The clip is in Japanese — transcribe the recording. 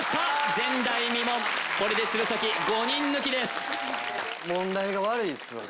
前代未聞これで鶴崎５人抜きです